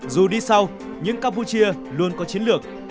dù đi sau nhưng campuchia luôn có chiến lược